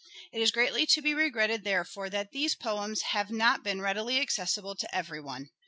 It is greatly to be regretted, therefore, that these poems have not been readily accessible to every one.